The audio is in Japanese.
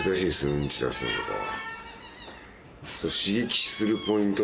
うんち出すのとかは。